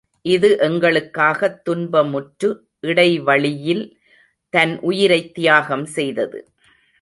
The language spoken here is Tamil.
இது எங்களுக்காகத் துன்பமுற்று இடை வழியில் தன் உயிரைத் தியாகம் செய்தது.